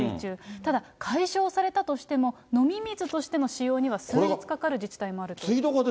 ただ解消されたとしても、飲み水としての使用には数日かかる自治体もあるということです。